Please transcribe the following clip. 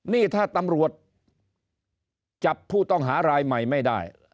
นี่ถ้าตำรวจจับผู้ต้องหารายใหม่ไม่ได้